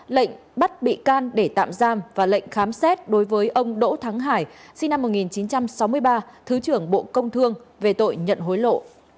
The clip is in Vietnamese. lệnh bắt bị can để tạm giam và lệnh khám xét đối với ông đỗ thắng hải sinh năm một nghìn chín trăm sáu mươi ba thứ trưởng bộ công thương về tội nhận hối lộ